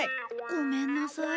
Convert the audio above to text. ごめんなさい。